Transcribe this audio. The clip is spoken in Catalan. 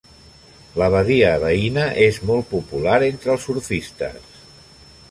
La badia veïna és molt popular entre els surfistes.